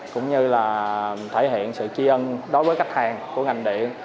cũng như là thể hiện